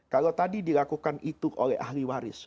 kalau tadi dilakukan itu oleh ahli waris